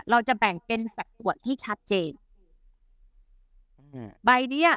เราจะแบ่งเป็นสักตัวที่ชัดเจนอืมใบนี้อ่ะ